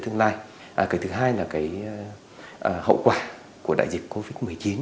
cái thứ hai là cái hậu quả của đại dịch covid một mươi chín